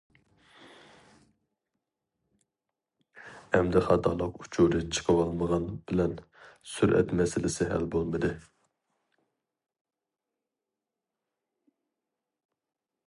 ئەمدى خاتالىق ئۇچۇرى چىقىۋالمىغان بىلەن سۈرئەت مەسىلىسى ھەل بولمىدى.